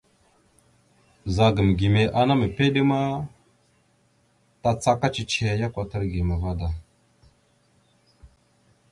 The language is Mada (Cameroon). Ɓəzagam gime ya ana mèpiɗe tal ma, tàcaka cicihe ya kwatar gime vaɗ da.